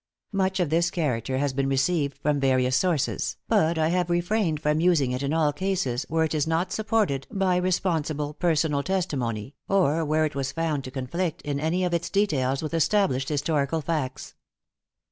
Much of this character has been received from various sources, but I have refrained from using it in all cases where it was not supported by responsible personal testimony, or where it was found to conflict in any of its details with established historical facts.